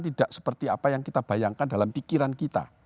tidak seperti apa yang kita bayangkan dalam pikiran kita